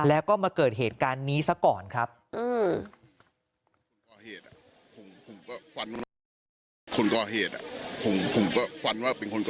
และก็มาเกิดเหตุการณ์นี้สักก่อนครับอืม